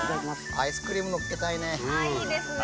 アイスクリーム載っけたいね。